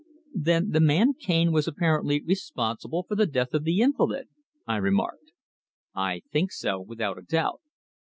"Then the man Cane was apparently responsible for the death of the invalid," I remarked. "I think so without a doubt."